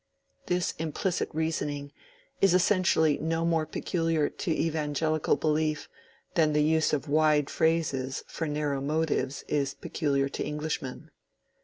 This implicit reasoning is essentially no more peculiar to evangelical belief than the use of wide phrases for narrow motives is peculiar to Englishmen.